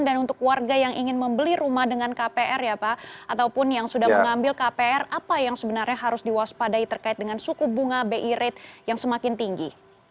jadi kalau kita lihat dari kpr ya pak ataupun yang sudah mengambil kpr apa yang sebenarnya harus diwaspadai terkait dengan suku bunga bi rate yang semakin tinggi